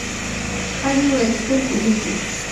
ښځې وویل چې ټول پوهیږي.